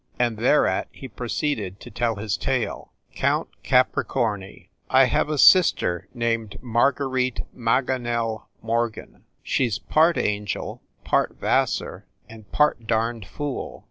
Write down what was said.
And thereat he proceeded to tell his tale . COUNT CAPRICORNI I have a sister named Marguerite Maganel Mor gan. She s part angel, part Vassar, and part darned fool.